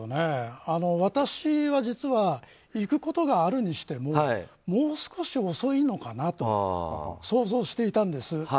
私は実は行くことがあるにしてももう少し遅いのかなと想像していたんです。